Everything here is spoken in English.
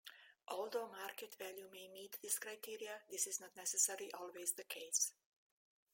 Although market value may meet these criteria, this is not necessarily always the case.